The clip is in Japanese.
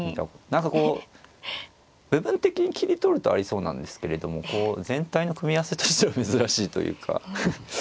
何かこう部分的に切り取るとありそうなんですけれどもこう全体の組み合わせとしては珍しいというか。